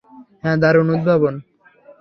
হ্যাঁ, দারুণ উদ্ভাবন।